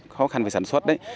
khó khăn về sản xuất đấy